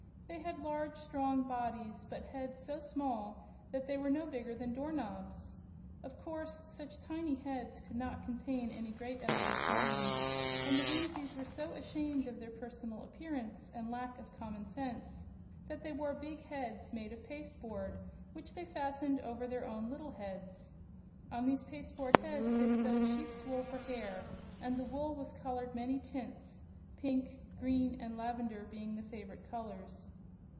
They had large, strong bodies, but heads so small that they were no bigger than door knobs. Of course, such tiny heads could not contain any great amount of brains, and the Whimsies were so ashamed of their personal appearance and lack of commonsense that they wore big heads made of pasteboard, which they fastened over their own little heads. On these pasteboard heads they sewed sheep's wool for hair, and the wool was colored many tints pink, green and lavender being the favorite colors.